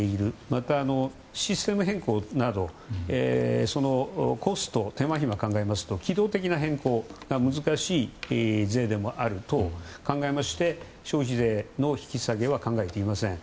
またはシステム変更などコスト、手間ひまを考えますと機動的な変更が難しい税でもあると考えまして消費税の引き下げは考えていません。